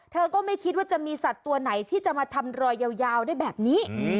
ก็ไม่คิดว่าจะมีสัตว์ตัวไหนที่จะมาทำรอยยาวได้แบบนี้